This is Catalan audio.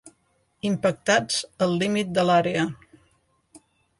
Impactats al límit de l'àrea.